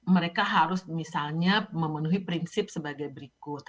mereka harus misalnya memenuhi prinsip sebagai berikut